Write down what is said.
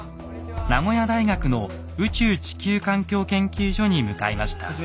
名古屋大学の宇宙地球環境研究所に向かいました。